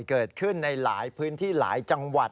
เกิดขึ้นในหลายพื้นที่หลายจังหวัด